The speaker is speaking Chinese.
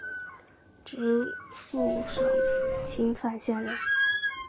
直隶省清苑县人。